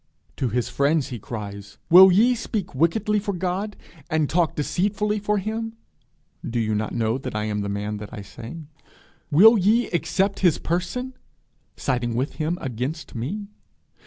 _ To his friends he cries: 'Will ye speak wickedly for God? and talk deceitfully for him?' Do you not know that I am the man I say? 'Will ye accept His person?' _siding with Him against me?